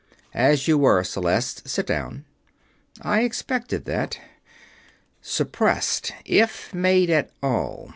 "As you were, Celeste. Sit down. I expected that. Suppressed if made at all.